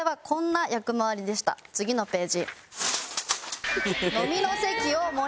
次のページ。